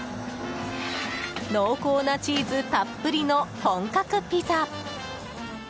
濃厚なチーズたっぷりの本格ピザ。